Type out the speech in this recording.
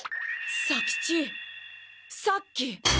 左吉さっき。